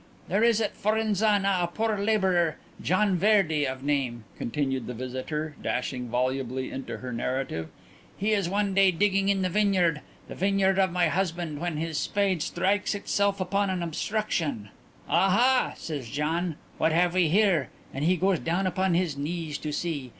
"There is at Forenzana a poor labourer, Gian Verde of name," continued the visitor, dashing volubly into her narrative. "He is one day digging in the vineyard, the vineyard of my husband, when his spade strikes itself upon an obstruction. 'Aha,' says Gian, 'what have we here?' and he goes down upon his knees to see.